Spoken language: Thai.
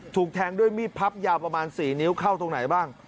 ถูกแทงด้วยมีดพับยาวประมาณ๔นิ้วเข้าตรงไหนบ้าง